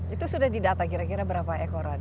itu sudah didata kira kira berapa ekor ada